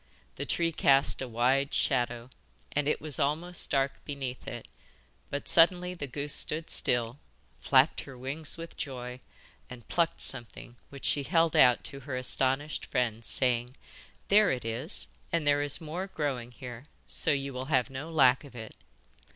The tree cast a wide shadow, and it was almost dark beneath it, but suddenly the goose stood still, flapped her wings with joy, and plucked something, which she held out to her astonished friend, saying: 'There it is, and there is more growing here, so you will have no lack of it.